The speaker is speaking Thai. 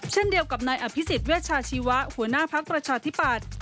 เช่นเดียวกับนายอภิษฎเวชาชีวะหัวหน้าภักดิ์ประชาธิปัตย์